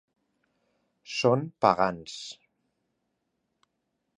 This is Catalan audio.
Són pagans.